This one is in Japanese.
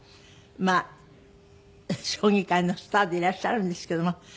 まあ将棋界のスターでいらっしゃるんですけども。